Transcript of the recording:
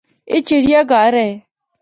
اے چڑیا گھر اے۔